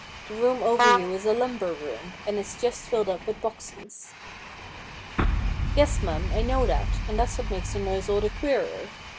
The room over you is a lumber room, and it's just filled up with boxes.' ' Yes, mum, I know that, and that's what makes the noise all the queerer.